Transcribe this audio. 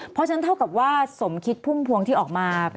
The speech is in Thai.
เพราะฉะนั้นเท่ากับว่าสมคิดพุ่มพวงที่ออกมา